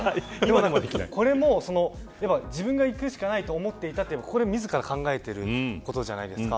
これも、自分がいくしかいないと思っていたというのが自ら考えていたことじゃないですか。